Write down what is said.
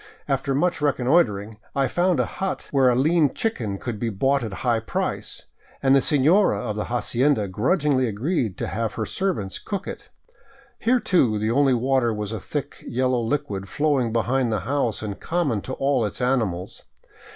After much reconnoitering I found a hut where a lean chicken could be bought at a high price, and the senora of the hacienda grudgingly agreed to have her servants cook it. Here, too, the only water was a thick yellow liquid flowing behind the house and common to all its animals.